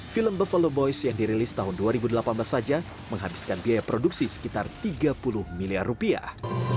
film develo boys yang dirilis tahun dua ribu delapan belas saja menghabiskan biaya produksi sekitar tiga puluh miliar rupiah